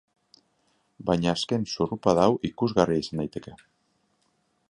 Baina azken zurrupada hau ikusgarria izan daiteke.